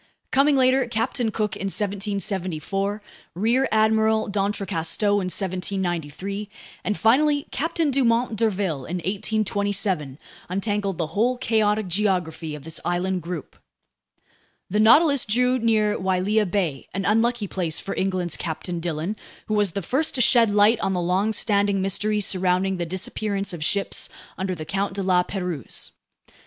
Coming later, Captain Cook in 1774, Rear Admiral d'Entrecasteaux in 1793, and finally Captain Dumont d'Urville in 1827, untangled the whole chaotic geography of this island group. The Nautilus drew near Wailea Bay, an unlucky place for England's Captain Dillon, who was the first to shed light on the longstanding mystery surrounding the disappearance of ships under the Count de La Pérouse.